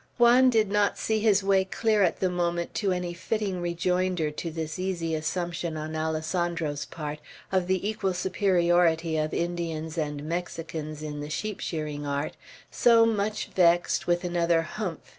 Juan did not see his way clear at the moment to any fitting rejoinder to this easy assumption, on Alessandro's part, of the equal superiority of Indians and Mexicans in the sheep shearing art; so, much vexed, with another "Humph!"